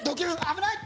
危ない！